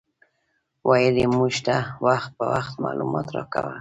ویل یې موږ ته وخت په وخت معلومات راکاوه.